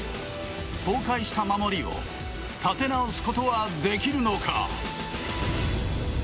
崩壊した守りを立て直すことはできるのか。